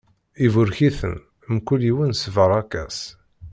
Iburek-iten, mkul yiwen s lbaṛaka-s.